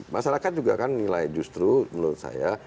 masyarakat juga kan nilai justru menurut saya